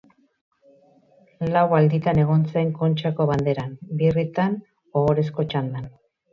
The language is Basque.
Lau alditan egon zen Kontxako Banderan, birritan Ohorezko Txandan.